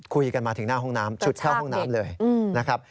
คุยกันมาถึงหน้าห้องน้ำฉุดเข้าห้องน้ำเลยนะครับ